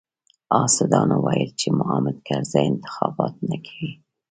حاسدانو ويل چې حامد کرزی انتخابات نه کوي.